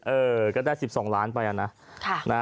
เออก็ได้๑๒ล้านไปอะนะ